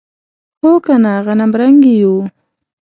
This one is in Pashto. هو کنه غنمرنګي یو.